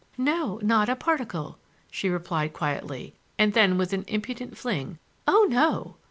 "No, not a particle!" she replied quietly, and then, with an impudent fling, "Oh, no!"